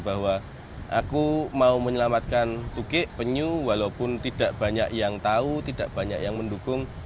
bahwa aku mau menyelamatkan tukik penyu walaupun tidak banyak yang tahu tidak banyak yang mendukung